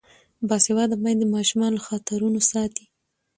باسواده میندې ماشومان له خطرونو ساتي.